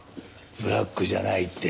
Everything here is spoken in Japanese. ブラックじゃないって。